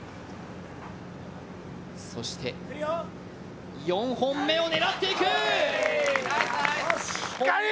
そして４本目を狙っていく。